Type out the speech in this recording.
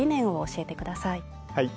はい。